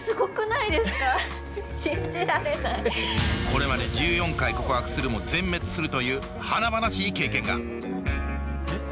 これまで１４回告白するも全滅するという華々しい経験が。